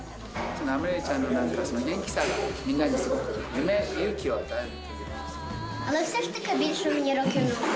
アメリアちゃんの元気さが、みんなに夢と勇気を与える。